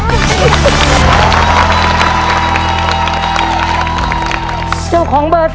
คุณฝนจากชายบรรยาย